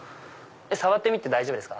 触ってみて大丈夫ですか？